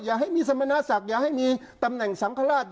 อย่าให้มีสมณศักดิ์อย่าให้มีตำแหน่งสังฆราช